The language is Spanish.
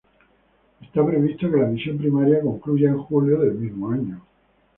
Está previsto que la misión primaria concluya en julio del mismo año.